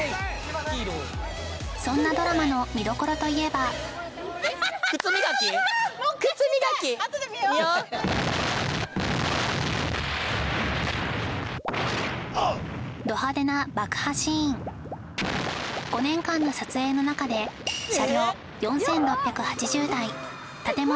そんなドラマの見どころといえばド派手な爆破シーン５年間の撮影の中で車両４６８０台建物